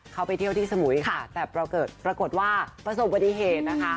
เข้าไปเที่ยวที่สมุยแต่ปรากฏประสบบนิเหตุ